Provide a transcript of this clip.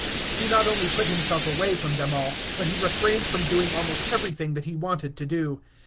He not only put himself away from them all, but he refrained from doing almost everything that he wanted to do.